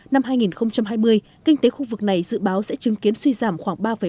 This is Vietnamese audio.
năm hai nghìn hai mươi kinh tế khu vực này dự báo sẽ chứng kiến suy giảm khoảng ba bảy